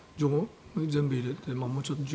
全部入れて。